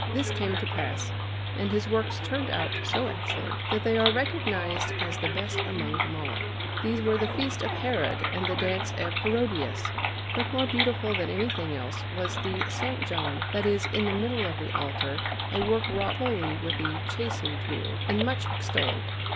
This came to pass; and his works turned out so excellent, that they are recognized as the best among them all. These were the Feast of Herod and the Dance of Herodias; but more beautiful than anything else was the S. John that is in the middle of the altar, a work wrought wholly with the chasing tool, and much extolled.